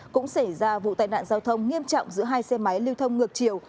cũng xảy ra vụ tai nạn giao thông nghiêm trọng giữa hai xe máy lưu thông ngược chiều